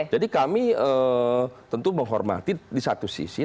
jadi kami tentu menghormati di satu sisi